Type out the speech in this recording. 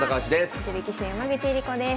女流棋士の山口恵梨子です。